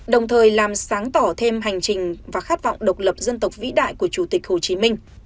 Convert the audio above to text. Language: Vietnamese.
đồng thời làm sáng tỏ thêm hành trình và khát vọng độc lập dân tộc vĩ đại của chủ tịch hồ chí minh